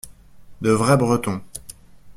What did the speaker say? De vrais Bretons.